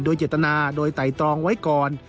โดยเจตนาโดยไต่ตรองไว้ก่อน